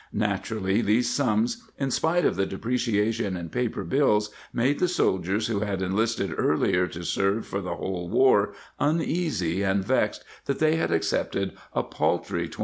Naturally these sums, in spite of the depreciation in paper bills, made the soldiers who had enlisted earlier to serve for the whole war uneasy and vexed that they had accepted a paltry $20.